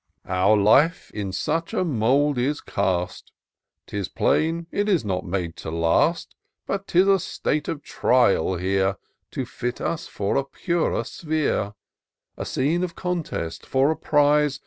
Our life in such a mould is cast, 'Tis plain it is not made to last ; 'Tis but a state of trial here. To fit us for a purer sphere ; A scene of contest for a prize.